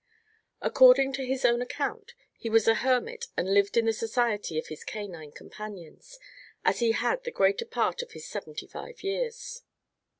According to his own account, he was a hermit and lived in the society of his canine companions, as he had the greater part of his seventy five years.